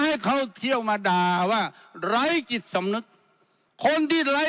ให้เขาเที่ยวมาด่าว่าไรภารภาภาภาพิภาทุกคนที่